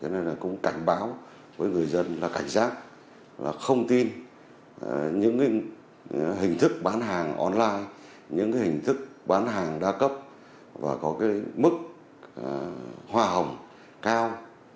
cho nên là cũng cảnh báo với người dân là cảnh giác là không tin những hình thức bán hàng online những hình thức bán hàng đa cấp và có cái mức hòa hồng cao